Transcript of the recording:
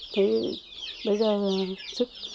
thấy bây giờ sức